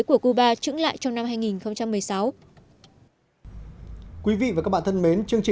của cuba trững lại trong năm hai nghìn một mươi sáu